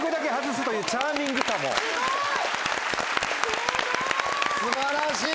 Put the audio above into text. ・すごい！・素晴らしい！